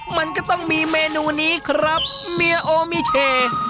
มันก็ต้องมีเมนูนี้ครับเมียโอมิเช